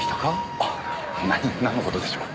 あっ何なんの事でしょう？